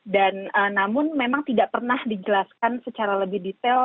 dan namun memang tidak pernah dijelaskan secara lebih detail